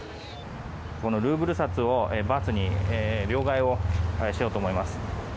このルーブル札をバーツに両替をしようと思います。